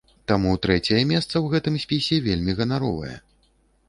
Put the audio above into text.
Таму трэцяе месца ў гэтым спісе вельмі ганаровае.